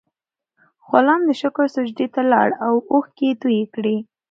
غلام د شکر سجدې ته لاړ او اوښکې یې تویې کړې.